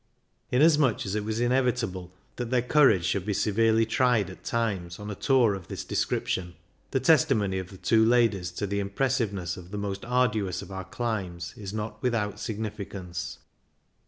Inasmuch as it was inevitable that their courage should be severely tried at times on a tour of this description, this testimony of the two ladies to the impressiveness of the most arduous of our climbs is not without significance.